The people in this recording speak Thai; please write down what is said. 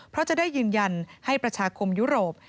เพราะจะได้ยืนยันให้ประชาคมยุโรป